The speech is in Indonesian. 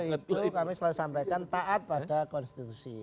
itu kami selalu sampaikan taat pada konstitusi